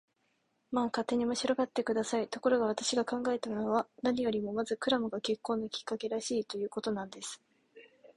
まあ、勝手に面白がって下さい。ところが、私が考えたのは、何よりもまずクラムが結婚のきっかけらしい、ということなんです。